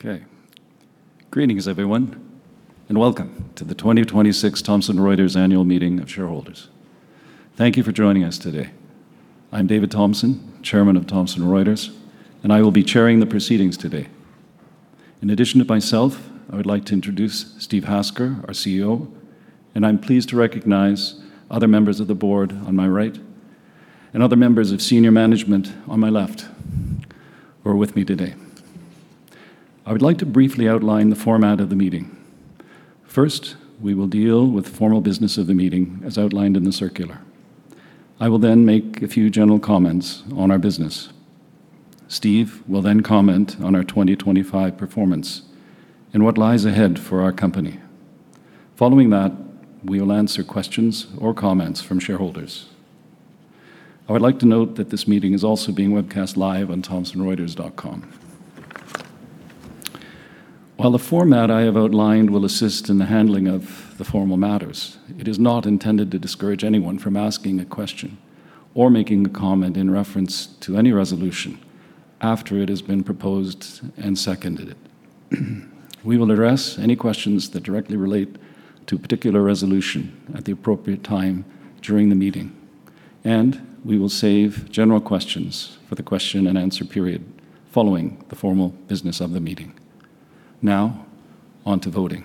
Okay. Greetings everyone. Welcome to the 2026 Thomson Reuters Annual Meeting of Shareholders. Thank you for joining us today. I'm David Thomson, Chairman of Thomson Reuters, and I will be chairing the proceedings today. In addition to myself, I would like to introduce Steve Hasker, our CEO, and I'm pleased to recognize other members of the board on my right, and other members of senior management on my left who are with me today. I would like to briefly outline the format of the meeting. First, we will deal with the formal business of the meeting as outlined in the circular. I will make a few general comments on our business. Steve will comment on our 2025 performance and what lies ahead for our company. Following that, we will answer questions or comments from shareholders. I would like to note that this meeting is also being webcast live on thomsonreuters.com. While the format I have outlined will assist in the handling of the formal matters, it is not intended to discourage anyone from asking a question or making a comment in reference to any resolution after it has been proposed and seconded. We will address any questions that directly relate to a particular resolution at the appropriate time during the meeting, and we will save general questions for the question and answer period following the formal business of the meeting. Now, on to voting.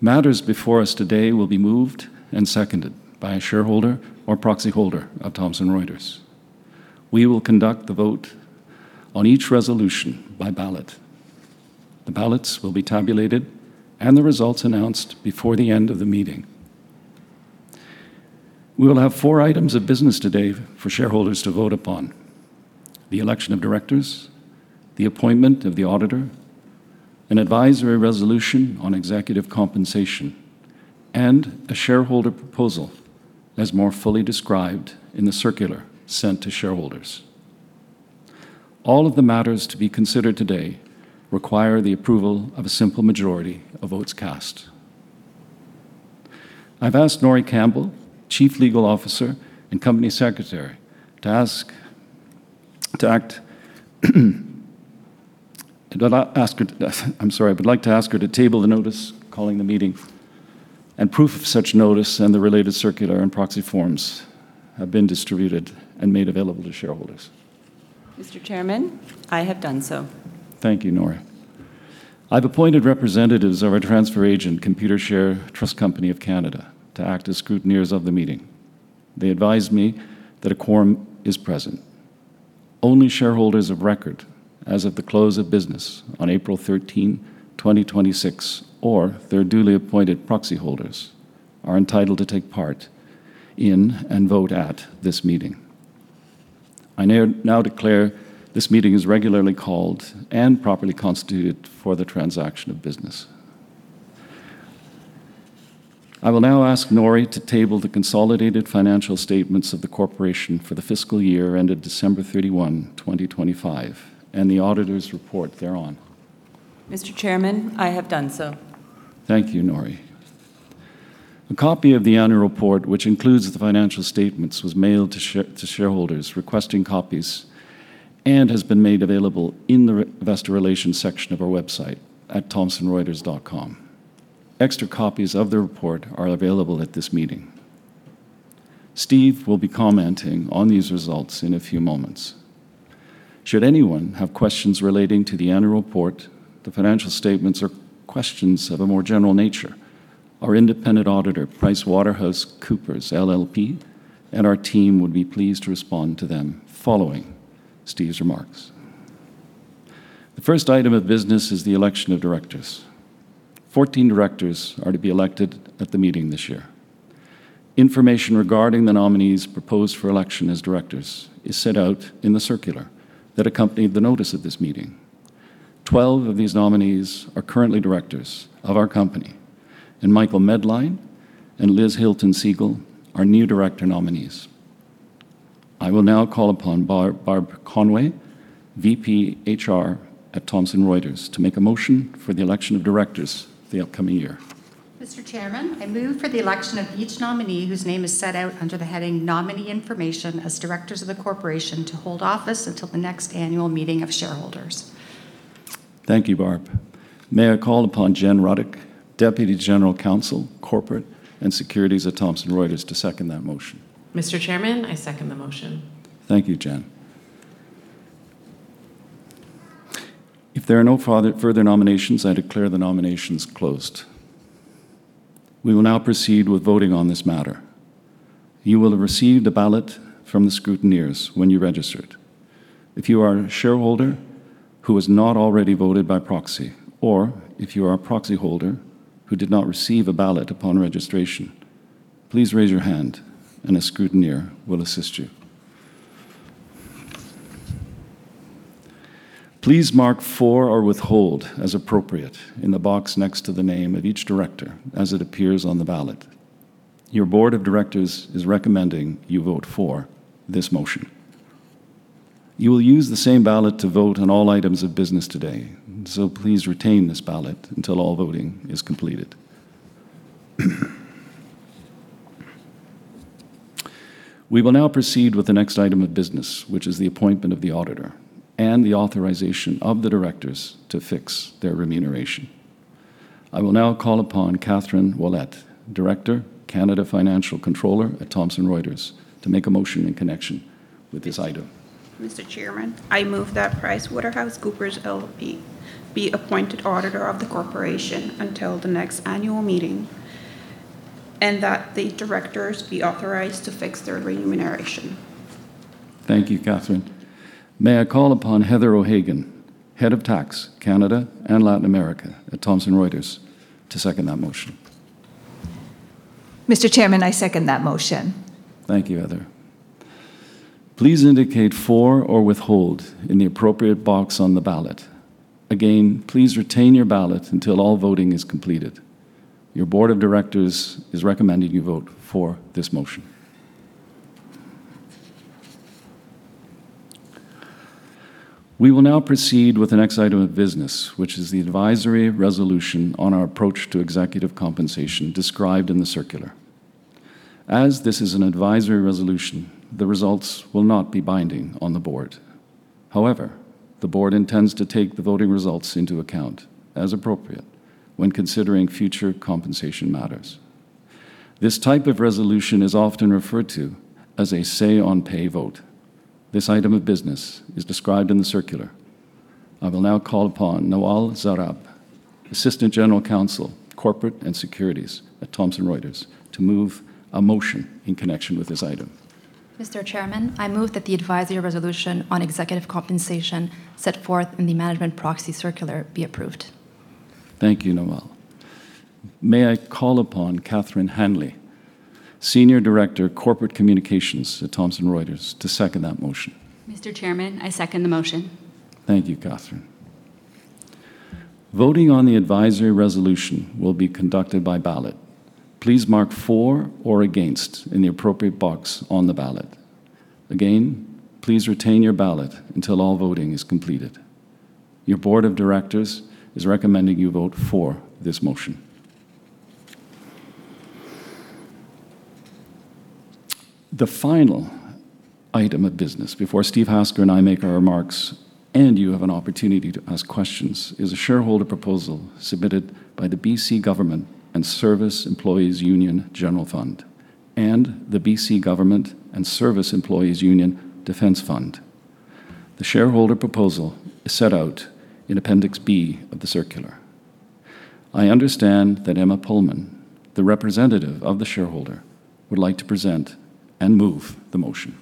Matters before us today will be moved and seconded by a shareholder or proxyholder of Thomson Reuters. We will conduct the vote on each resolution by ballot. The ballots will be tabulated and the results announced before the end of the meeting. We will have four items of business today for shareholders to vote upon: the election of directors, the appointment of the auditor, an advisory resolution on executive compensation, and a shareholder proposal, as more fully described in the circular sent to shareholders. All of the matters to be considered today require the approval of a simple majority of votes cast. I've asked Norie Campbell, Chief Legal Officer and Company Secretary, to act. I'm sorry. I would like to ask her to table the notice calling the meeting and proof of such notice, and the related circular and proxy forms have been distributed and made available to shareholders. Mr. Chairman, I have done so. Thank you, Norie. I've appointed representatives of our transfer agent, Computershare Trust Company of Canada, to act as scrutineers of the meeting. They advise me that a quorum is present. Only shareholders of record as of the close of business on April 13, 2026, or their duly appointed proxyholders, are entitled to take part in and vote at this meeting. I now declare this meeting is regularly called and properly constituted for the transaction of business. I will now ask Norie to table the consolidated financial statements of the corporation for the fiscal year ended December 31, 2025, and the auditor's report thereon. Mr. Chairman, I have done so. Thank you, Norie. A copy of the annual report, which includes the financial statements, was mailed to shareholders requesting copies and has been made available in the investor relations section of our website at thomsonreuters.com. Extra copies of the report are available at this meeting. Steve will be commenting on these results in a few moments. Should anyone have questions relating to the annual report, the financial statements, or questions of a more general nature, our independent auditor, PricewaterhouseCoopers LLP, and our team would be pleased to respond to them following Steve's remarks. The first item of business is the election of directors. 14 directors are to be elected at the meeting this year. Information regarding the nominees proposed for election as directors is set out in the circular that accompanied the notice of this meeting. 12 of these nominees are currently directors of our company, and Michael Medline and Liz Hilton Segel are new director nominees. I will now call upon Barb Conway, VP HR at Thomson Reuters, to make a motion for the election of directors for the upcoming year. Mr. Chairman, I move for the election of each nominee whose name is set out under the heading "Nominee Information" as directors of the corporation to hold office until the next annual meeting of shareholders. Thank you, Barb. May I call upon Jen Ruddick, Deputy General Counsel, Corporate and Securities at Thomson Reuters, to second that motion? Mr. Chairman, I second the motion. Thank you, Jen. If there are no further nominations, I declare the nominations closed. We will now proceed with voting on this matter. You will have received a ballot from the scrutineers when you registered. If you are a shareholder who has not already voted by proxy, or if you are a proxyholder who did not receive a ballot upon registration, please raise your hand and a scrutineer will assist you. Please mark "for" or "withhold," as appropriate, in the box next to the name of each director as it appears on the ballot. Your board of directors is recommending you vote for this motion. You will use the same ballot to vote on all items of business today, so please retain this ballot until all voting is completed. We will now proceed with the next item of business, which is the appointment of the auditor and the authorization of the directors to fix their remuneration. I will now call upon Kathryn Ouellette, Director, Canada Financial Controller at Thomson Reuters, to make a motion in connection with this item. Mr. Chairman, I move that PricewaterhouseCoopers LLP be appointed auditor of the corporation until the next annual meeting, and that the directors be authorized to fix their remuneration. Thank you, Kathryn. May I call upon Heather O'Hagan, Head of Tax, Canada and Latin America at Thomson Reuters, to second that motion. Mr. Chairman, I second that motion. Thank you, Heather. Please indicate for or withhold in the appropriate box on the ballot. Again, please retain your ballot until all voting is completed. Your board of directors is recommending you vote for this motion. We will now proceed with the next item of business, which is the advisory resolution on our approach to executive compensation described in the circular. As this is an advisory resolution, the results will not be binding on the board. However, the board intends to take the voting results into account as appropriate when considering future compensation matters. This type of resolution is often referred to as a say-on-pay vote. This item of business is described in the circular. I will now call upon Nawal Zaarab, Assistant General Counsel, Corporate and Securities at Thomson Reuters, to move a motion in connection with this item. Mr. Chairman, I move that the advisory resolution on executive compensation set forth in the management proxy circular be approved. Thank you, Nawal. May I call upon Kathryn Hanley, Senior Director, Corporate Communications at Thomson Reuters, to second that motion. Mr. Chairman, I second the motion. Thank you, Kathryn. Voting on the advisory resolution will be conducted by ballot. Please mark for or against in the appropriate box on the ballot. Again, please retain your ballot until all voting is completed. Your board of directors is recommending you vote for this motion. The final item of business before Steve Hasker and I make our remarks, and you have an opportunity to ask questions, is a shareholder proposal submitted by the BC General Employees' Union General Fund and the BC General Employees' Union Defence Fund. The shareholder proposal is set out in Appendix B of the circular. I understand that Emma Pullman, the representative of the shareholder, would like to present and move the motion.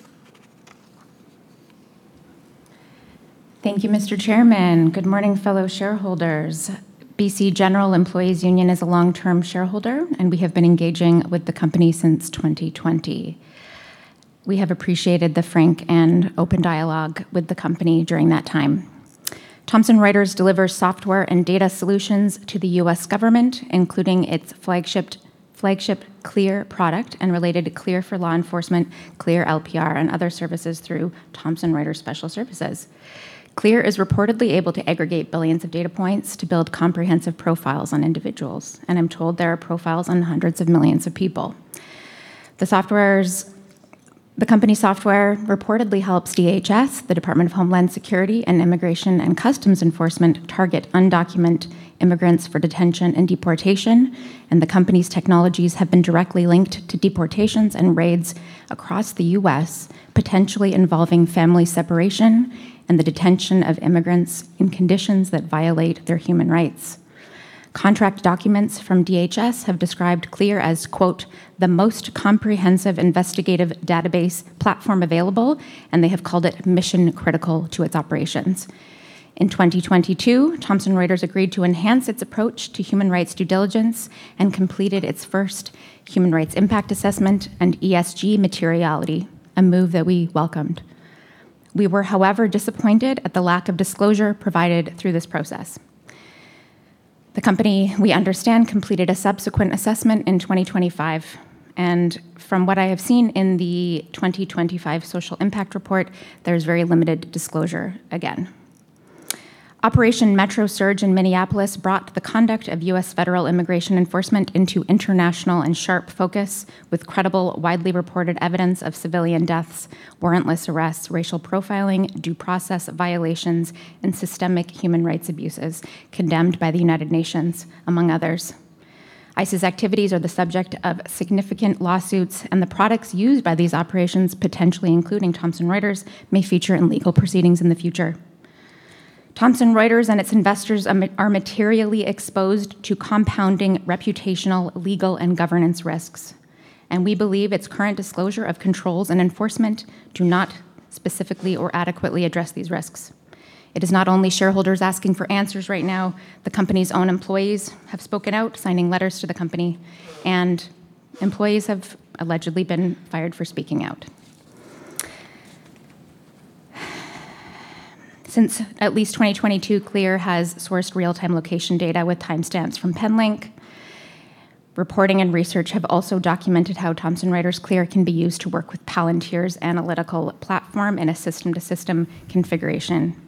Thank you, Mr. Chairman. Good morning, fellow shareholders. BC General Employees' Union is a long-term shareholder, and we have been engaging with the company since 2020. We have appreciated the frank and open dialogue with the company during that time. Thomson Reuters delivers software and data solutions to the U.S. government, including its flagship CLEAR product and related CLEAR for Law Enforcement, CLEAR LPR, and other services through Thomson Reuters Special Services. CLEAR is reportedly able to aggregate billions of data points to build comprehensive profiles on individuals, and I'm told there are profiles on hundreds of millions of people. The company software reportedly helps DHS, the Department of Homeland Security, and Immigration and Customs Enforcement target undocumented immigrants for detention and deportation, and the company's technologies have been directly linked to deportations and raids across the U.S., potentially involving family separation and the detention of immigrants in conditions that violate their human rights. Contract documents from DHS have described CLEAR as, quote, "The most comprehensive investigative database platform available," and they have called it mission-critical to its operations. In 2022, Thomson Reuters agreed to enhance its approach to human rights due diligence and completed its first human rights impact assessment and ESG materiality, a move that we welcomed. We were, however, disappointed at the lack of disclosure provided through this process. The company, we understand, completed a subsequent assessment in 2025, and from what I have seen in the 2025 social impact report, there is very limited disclosure again. Operation Metro Surge in Minneapolis brought the conduct of U.S. federal immigration enforcement into international and sharp focus with credible, widely reported evidence of civilian deaths, warrantless arrests, racial profiling, due process violations, and systemic human rights abuses condemned by the United Nations, among others. ICE's activities are the subject of significant lawsuits, and the products used by these operations, potentially including Thomson Reuters, may feature in legal proceedings in the future. Thomson Reuters and its investors are materially exposed to compounding reputational, legal, and governance risks, and we believe its current disclosure of controls and enforcement do not specifically or adequately address these risks. It is not only shareholders asking for answers right now. The company's own employees have spoken out, signing letters to the company, and employees have allegedly been fired for speaking out. Since at least 2022, CLEAR has sourced real-time location data with timestamps from PenLink. Reporting and research have also documented how Thomson Reuters CLEAR can be used to work with Palantir's analytical platform in a system-to-system configuration.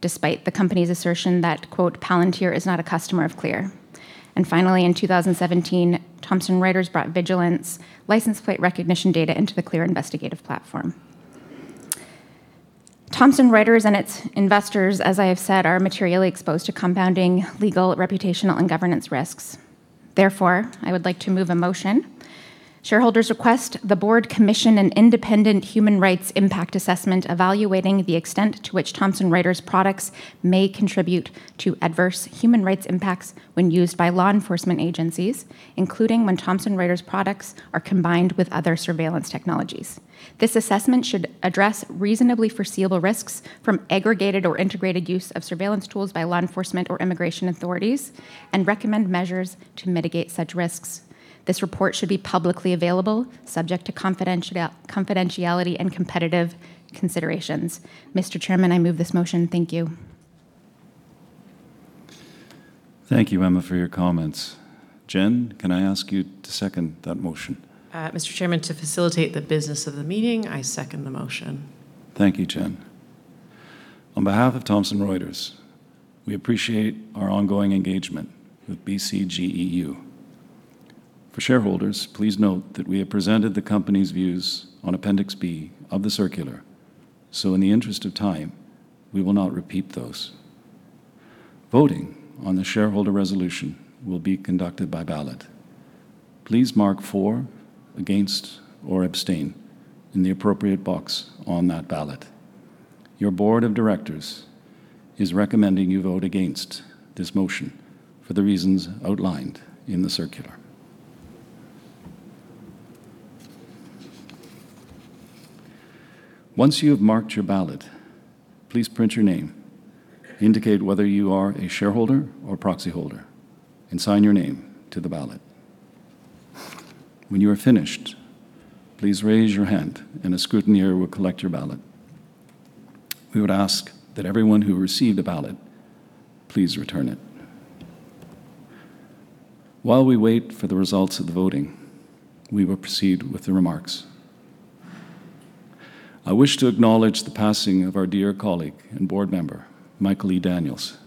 Despite the company's assertion that, quote, Palantir is not a customer of CLEAR. Finally, in 2017, Thomson Reuters brought Vigilant's license plate recognition data into the CLEAR investigative platform. Thomson Reuters and its investors, as I have said, are materially exposed to compounding legal, reputational, and governance risks. I would like to move a motion. Shareholders request the board commission an independent human rights impact assessment evaluating the extent to which Thomson Reuters products may contribute to adverse human rights impacts when used by law enforcement agencies, including when Thomson Reuters products are combined with other surveillance technologies. This assessment should address reasonably foreseeable risks from aggregated or integrated use of surveillance tools by law enforcement or immigration authorities and recommend measures to mitigate such risks. This report should be publicly available, subject to confidentiality and competitive considerations. Mr. Chairman, I move this motion. Thank you. Thank you, Emma, for your comments. Jen, can I ask you to second that motion? Mr. Chairman, to facilitate the business of the meeting, I second the motion. Thank you, Jen. On behalf of Thomson Reuters, we appreciate our ongoing engagement with BCGEU. For shareholders, please note that we have presented the company's views on Appendix B of the circular. In the interest of time, we will not repeat those. Voting on the shareholder resolution will be conducted by ballot. Please mark For, Against, or Abstain in the appropriate box on that ballot. Your Board of Directors is recommending you vote Against this motion for the reasons outlined in the circular. Once you have marked your ballot, please print your name, indicate whether you are a shareholder or proxy holder, and sign your name to the ballot. When you are finished, please raise your hand and a scrutineer will collect your ballot. We would ask that everyone who received a ballot please return it. While we wait for the results of the voting, we will proceed with the remarks. I wish to acknowledge the passing of our dear colleague and board member, Michael E. Daniels.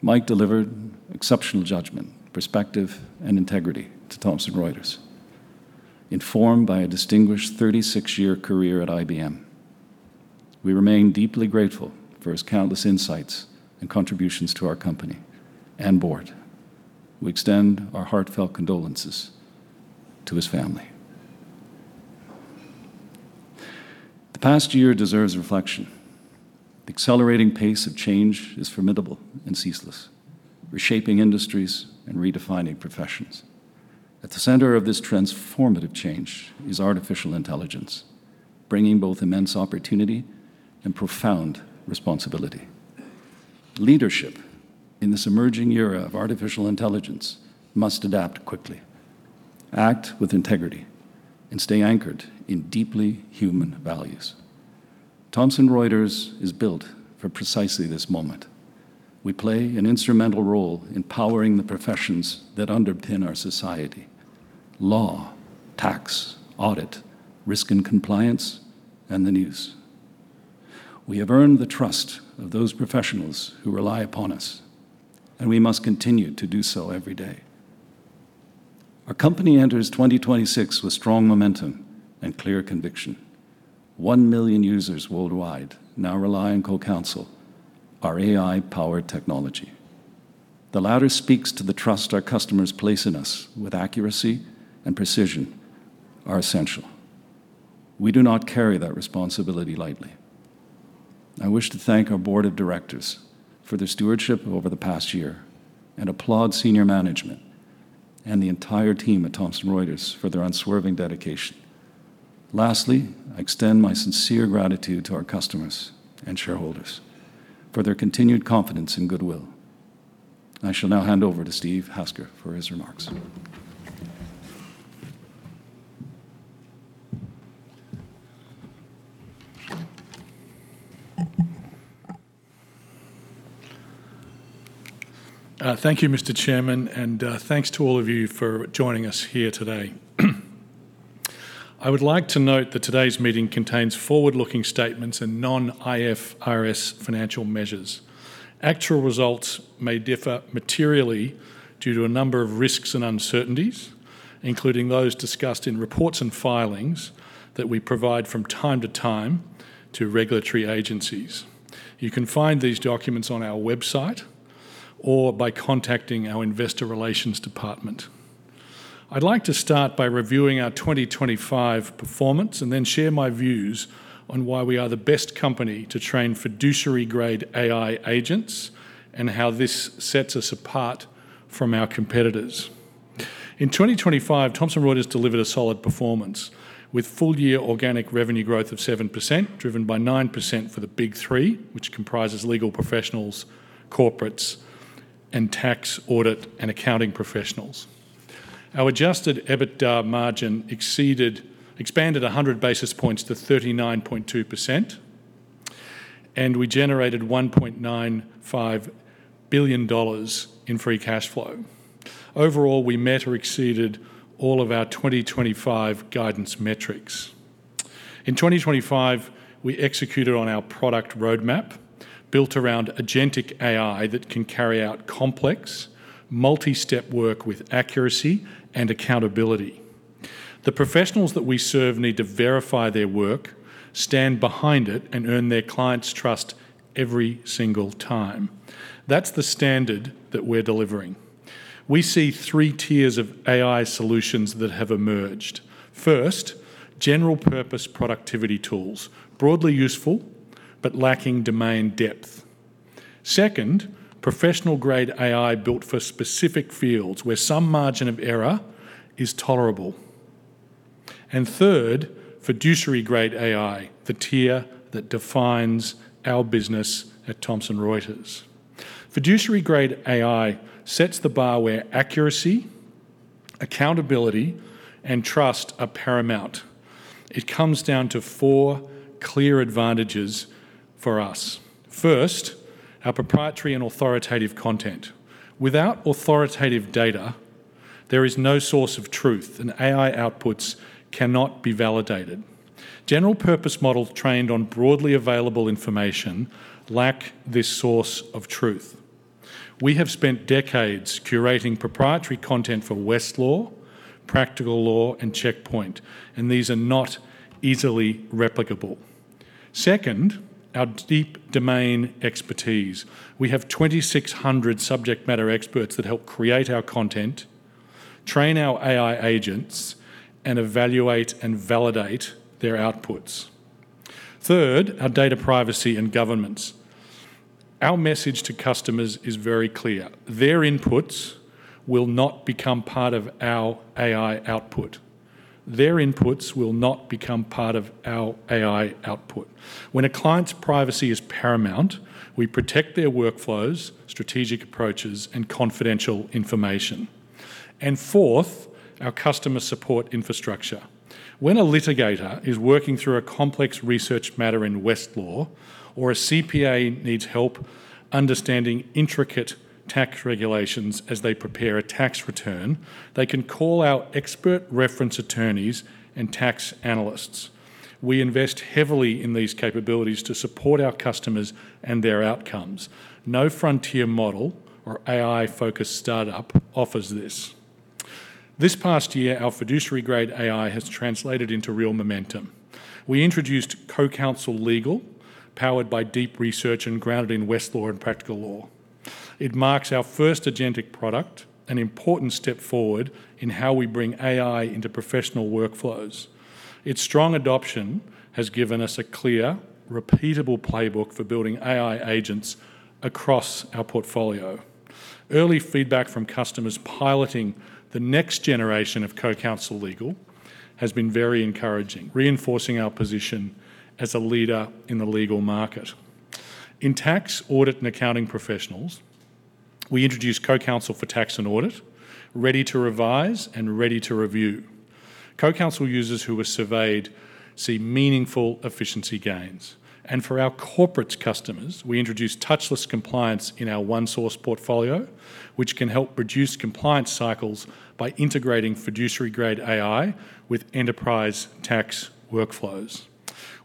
Mike delivered exceptional judgment, perspective, and integrity to Thomson Reuters, informed by a distinguished 36-year career at IBM. We remain deeply grateful for his countless insights and contributions to our company and board. We extend our heartfelt condolences to his family. The past year deserves reflection. The accelerating pace of change is formidable and ceaseless, reshaping industries and redefining professions. At the center of this transformative change is artificial intelligence, bringing both immense opportunity and profound responsibility. Leadership in this emerging era of artificial intelligence must adapt quickly, act with integrity, and stay anchored in deeply human values. Thomson Reuters is built for precisely this moment. We play an instrumental role in powering the professions that underpin our society: law, tax, audit, risk and compliance, and the news. We have earned the trust of those professionals who rely upon us, and we must continue to do so every day. Our company enters 2026 with strong momentum and clear conviction. 1 million users worldwide now rely on CoCounsel, our AI-powered technology. The latter speaks to the trust our customers place in us with accuracy and precision are essential. We do not carry that responsibility lightly. I wish to thank our Board of Directors for their stewardship over the past year and applaud senior management and the entire team at Thomson Reuters for their unswerving dedication. Lastly, I extend my sincere gratitude to our customers and shareholders for their continued confidence and goodwill. I shall now hand over to Steve Hasker for his remarks. Thank you, Mr. Chairman. Thanks to all of you for joining us here today. I would like to note that today's meeting contains forward-looking statements and non-IFRS financial measures. Actual results may differ materially due to a number of risks and uncertainties, including those discussed in reports and filings that we provide from time to time to regulatory agencies. You can find these documents on our website or by contacting our investor relations department. I'd like to start by reviewing our 2025 performance. Then share my views on why we are the best company to train fiduciary-grade AI agents and how this sets us apart from our competitors. In 2025, Thomson Reuters delivered a solid performance with full-year organic revenue growth of 7%, driven by 9% for the Big Three, which comprises legal professionals, corporates, and tax, audit, and accounting professionals. Our adjusted EBITDA margin expanded 100 basis points to 39.2%, and we generated $1.95 billion in free cash flow. Overall, we met or exceeded all of our 2025 guidance metrics. In 2025, we executed on our product roadmap, built around agentic AI that can carry out complex, multi-step work with accuracy and accountability. The professionals that we serve need to verify their work, stand behind it, and earn their clients' trust every single time. That's the standard that we're delivering. We see three tiers of AI solutions that have emerged. First, general-purpose productivity tools, broadly useful but lacking domain depth. Second, professional-grade AI built for specific fields where some margin of error is tolerable. Third, fiduciary-grade AI, the tier that defines our business at Thomson Reuters. Fiduciary-grade AI sets the bar where accuracy, accountability, and trust are paramount. It comes down to four clear advantages for us. First, our proprietary and authoritative content. Without authoritative data, there is no source of truth, and AI outputs cannot be validated. General-purpose models trained on broadly available information lack this source of truth. We have spent decades curating proprietary content for Westlaw, Practical Law, and Checkpoint, and these are not easily replicable. Second, our deep domain expertise. We have 2,600 subject matter experts that help create our content, train our AI agents, and evaluate and validate their outputs. Third, our data privacy and governance. Our message to customers is very clear. Their inputs will not become part of our AI output. When a client's privacy is paramount, we protect their workflows, strategic approaches, and confidential information. Fourth, our customer support infrastructure. When a litigator is working through a complex research matter in Westlaw or a CPA needs help understanding intricate tax regulations as they prepare a tax return, they can call our expert reference attorneys and tax analysts. We invest heavily in these capabilities to support our customers and their outcomes. No frontier model or AI-focused startup offers this. This past year, our fiduciary-grade AI has translated into real momentum. We introduced CoCounsel Legal, powered by deep research and grounded in Westlaw and Practical Law. It marks our first agentic product, an important step forward in how we bring AI into professional workflows. Its strong adoption has given us a clear, repeatable playbook for building AI agents across our portfolio. Early feedback from customers piloting the next generation of CoCounsel Legal has been very encouraging, reinforcing our position as a leader in the legal market. In tax, audit, and accounting professionals, we introduced CoCounsel for Tax and Audit, ready to revise and ready to review. CoCounsel users who were surveyed see meaningful efficiency gains. For our corporate customers, we introduced touchless compliance in our ONESOURCE portfolio, which can help reduce compliance cycles by integrating fiduciary-grade AI with enterprise tax workflows.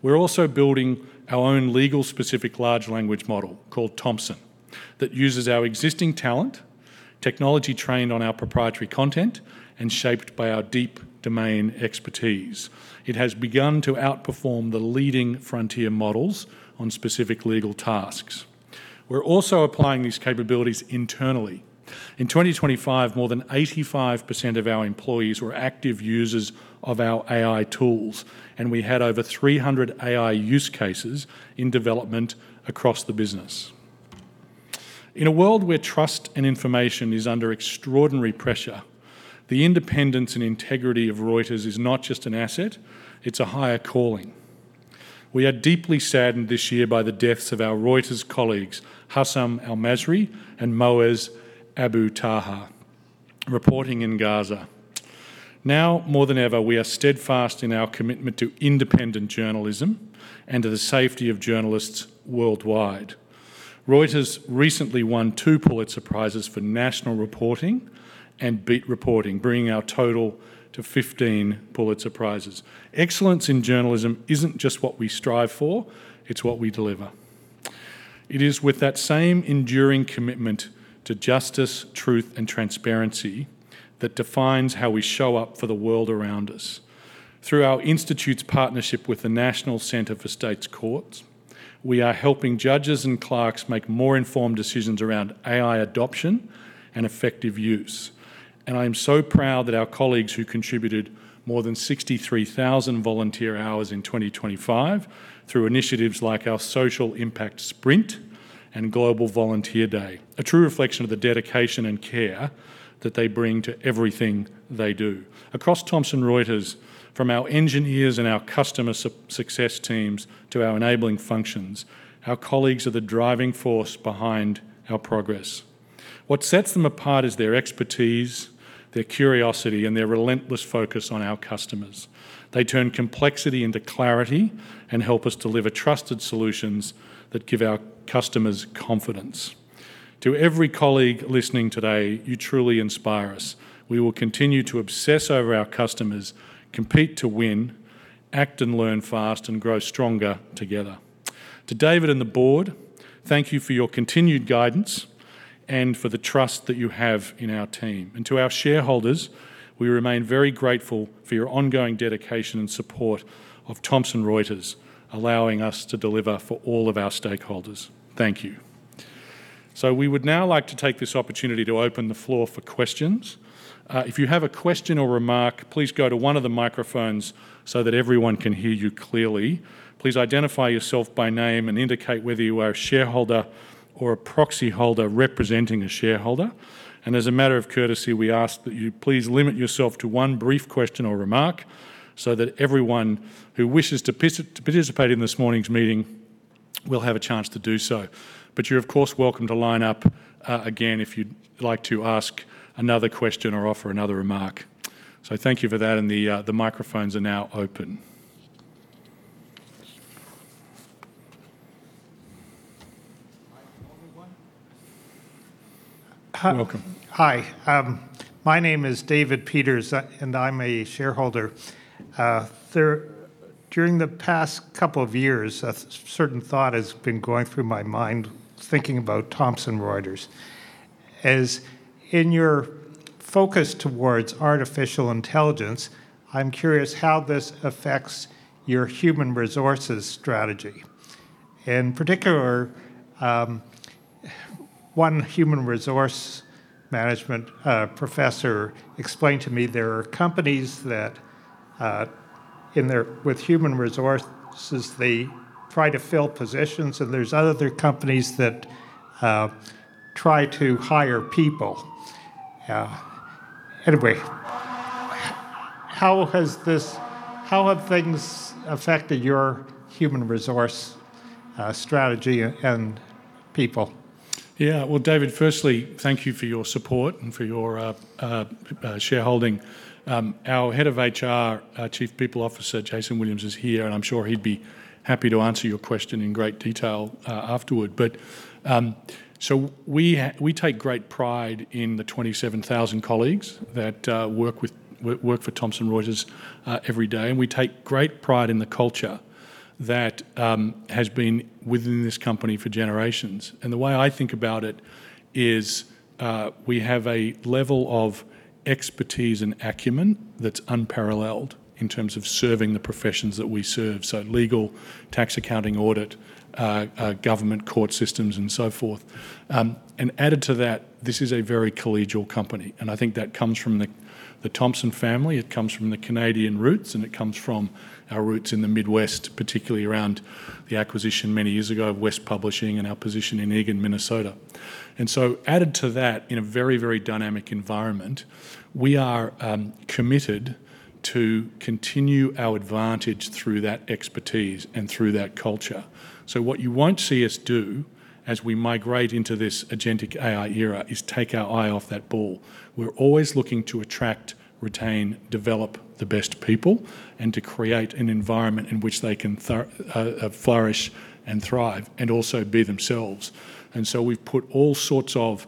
We're also building our own legal-specific large language model called Thomson that uses our existing talent, technology trained on our proprietary content, and shaped by our deep domain expertise. It has begun to outperform the leading frontier models on specific legal tasks. We're also applying these capabilities internally. In 2025, more than 85% of our employees were active users of our AI tools, and we had over 300 AI use cases in development across the business. In a world where trust and information is under extraordinary pressure, the independence and integrity of Reuters is not just an asset, it's a higher calling. We are deeply saddened this year by the deaths of our Reuters colleagues, Hussam al-Masri and Moaz Abu Taha, reporting in Gaza. Now more than ever, we are steadfast in our commitment to independent journalism and to the safety of journalists worldwide. Reuters recently won two Pulitzer Prizes for national reporting and beat reporting, bringing our total to 15 Pulitzer Prizes. Excellence in journalism isn't just what we strive for, it's what we deliver. It is with that same enduring commitment to justice, truth, and transparency that defines how we show up for the world around us. Through our institute's partnership with the National Center for State Courts, we are helping judges and clerks make more informed decisions around AI adoption and effective use. I am so proud that our colleagues who contributed more than 63,000 volunteer hours in 2025 through initiatives like our Social Impact Sprint and Global Volunteer Day, a true reflection of the dedication and care that they bring to everything they do. Across Thomson Reuters, from our engineers and our customer success teams to our enabling functions, our colleagues are the driving force behind our progress. What sets them apart is their expertise, their curiosity, and their relentless focus on our customers. They turn complexity into clarity and help us deliver trusted solutions that give our customers confidence. To every colleague listening today, you truly inspire us. We will continue to obsess over our customers, compete to win, act and learn fast, and grow stronger together. To David and the board, thank you for your continued guidance and for the trust that you have in our team. To our shareholders, we remain very grateful for your ongoing dedication and support of Thomson Reuters, allowing us to deliver for all of our stakeholders. Thank you. We would now like to take this opportunity to open the floor for questions. If you have a question or remark, please go to one of the microphones so that everyone can hear you clearly. Please identify yourself by name and indicate whether you are a shareholder or a proxy holder representing a shareholder. As a matter of courtesy, we ask that you please limit yourself to one brief question or remark, so that everyone who wishes to participate in this morning's meeting will have a chance to do so. You're of course welcome to line up again if you'd like to ask another question or offer another remark. Thank you for that, the microphones are now open. Microphone one. Welcome. Hi. My name is David Peters, and I'm a shareholder. During the past couple of years, a certain thought has been going through my mind, thinking about Thomson Reuters. As in your focus towards artificial intelligence, I'm curious how this affects your human resources strategy. In particular, one human resource management professor explained to me there are companies that, with human resources, they try to fill positions, and there's other companies that try to hire people. Anyway, how have things affected your human resource strategy and people? Well, David, firstly, thank you for your support and for your shareholding. Our head of HR, Chief People Officer Jason Williams, is here, and I'm sure he'd be happy to answer your question in great detail afterward. We take great pride in the 27,000 colleagues that work for Thomson Reuters every day, and we take great pride in the culture that has been within this company for generations. The way I think about it is we have a level of expertise and acumen that's unparalleled in terms of serving the professions that we serve. Legal, tax accounting audit, government court systems, and so forth. Added to that, this is a very collegial company, and I think that comes from the Thomson family, it comes from the Canadian roots, and it comes from our roots in the Midwest, particularly around the acquisition many years ago of West Publishing and our position in Eagan, Minnesota. Added to that, in a very dynamic environment, we are committed to continue our advantage through that expertise and through that culture. What you won't see us do as we migrate into this agentic AI era is take our eye off that ball. We're always looking to attract, retain, develop the best people, and to create an environment in which they can flourish and thrive, and also be themselves. We've put all sorts of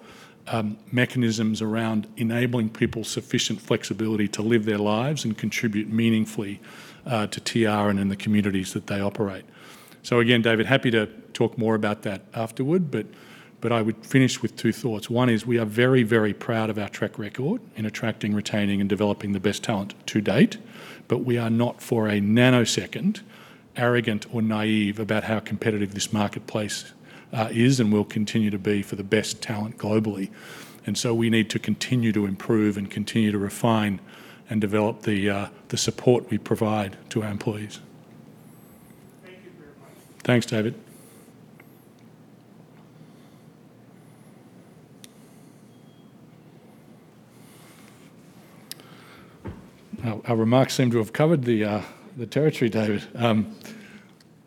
mechanisms around enabling people sufficient flexibility to live their lives and contribute meaningfully to TR and in the communities that they operate. Again, David, happy to talk more about that afterward, I would finish with two thoughts. One is we are very proud of our track record in attracting, retaining, and developing the best talent to date. We are not, for a nanosecond, arrogant or naive about how competitive this marketplace is and will continue to be for the best talent globally. We need to continue to improve and continue to refine and develop the support we provide to our employees. Thank you very much. Thanks, David. Our remarks seem to have covered the territory, David.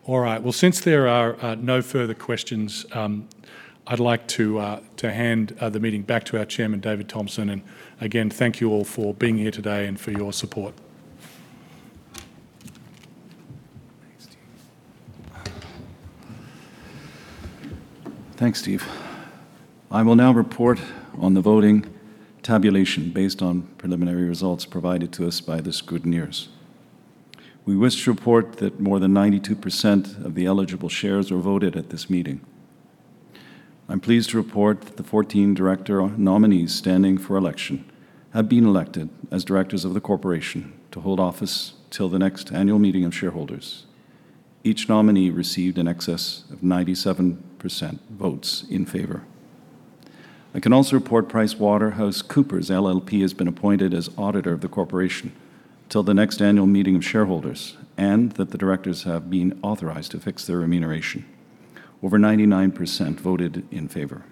All right. Well, since there are no further questions, I'd like to hand the meeting back to our chairman, David Thomson. Again, thank you all for being here today and for your support. Thanks, Steve. I will now report on the voting tabulation based on preliminary results provided to us by the scrutineers. We wish to report that more than 92% of the eligible shares were voted at this meeting. I'm pleased to report that the 14 director nominees standing for election have been elected as directors of the corporation to hold office till the next annual meeting of shareholders. Each nominee received in excess of 97% votes in favor. I can also report PricewaterhouseCoopers LLP has been appointed as auditor of the corporation till the next annual meeting of shareholders, and that the directors have been authorized to fix their remuneration. Over 99% voted in favor.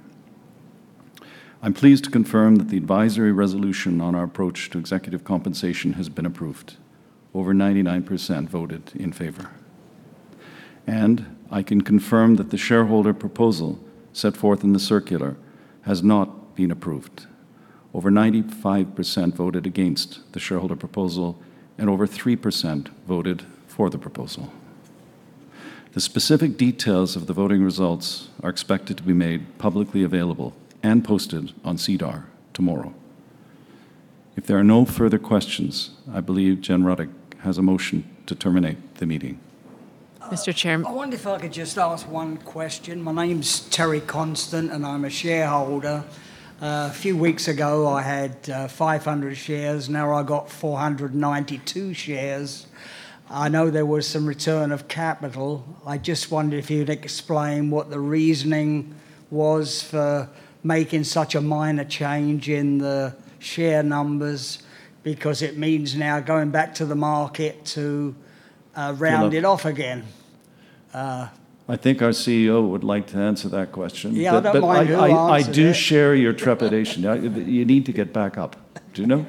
I'm pleased to confirm that the advisory resolution on our approach to executive compensation has been approved. Over 99% voted in favor. I can confirm that the shareholder proposal set forth in the circular has not been approved. Over 95% voted against the shareholder proposal, and over 3% voted for the proposal. The specific details of the voting results are expected to be made publicly available and posted on SEDAR+ tomorrow. If there are no further questions, I believe Jennifer Ruddick has a motion to terminate the meeting. Mr. Chairman I wonder if I could just ask one question. My name's Terry Constant, and I'm a shareholder. A few weeks ago, I had 500 shares. Now I got 492 shares. I know there was some return of capital. I just wondered if you'd explain what the reasoning was for making such a minor change in the share numbers, because it means now going back to the market to round it off again. I think our CEO would like to answer that question. Yeah, I don't mind who answers it. I do share your trepidation. You need to get back up. Do you know?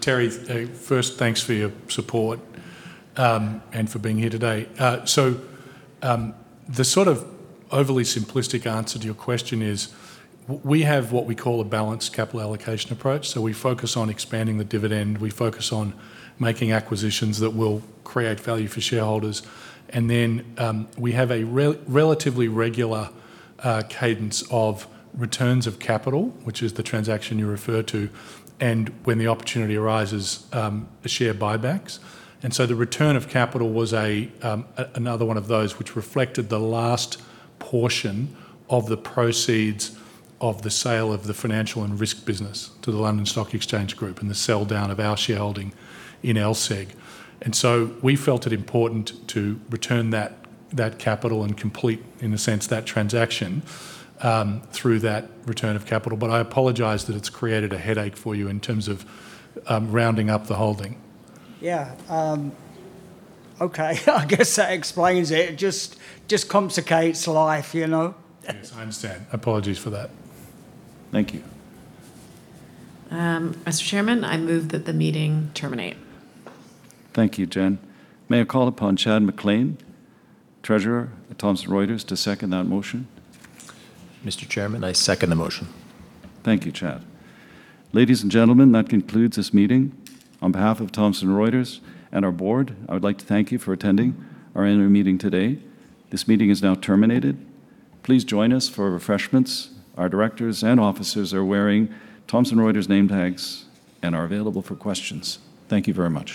Terry, first, thanks for your support and for being here today. The sort of overly simplistic answer to your question is, we have what we call a balanced capital allocation approach. We focus on expanding the dividend, we focus on making acquisitions that will create value for shareholders, and then we have a relatively regular cadence of returns of capital, which is the transaction you refer to, and when the opportunity arises, share buybacks. The return of capital was another one of those which reflected the last portion of the proceeds of the sale of the financial and risk business to the London Stock Exchange Group and the sell-down of our shareholding in LSEG. We felt it important to return that capital and complete, in a sense, that transaction through that return of capital. I apologize that it's created a headache for you in terms of rounding up the holding. Yeah. Okay, I guess that explains it. It just complicates life. Yes, I understand. Apologies for that. Thank you. Mr. Chairman, I move that the meeting terminate. Thank you, Jen. May I call upon Chad MacLean, Treasurer at Thomson Reuters, to second that motion? Mr. Chairman, I second the motion. Thank you, Chad. Ladies and gentlemen, that concludes this meeting. On behalf of Thomson Reuters and our board, I would like to thank you for attending our annual meeting today. This meeting is now terminated. Please join us for refreshments. Our directors and officers are wearing Thomson Reuters name tags and are available for questions. Thank you very much.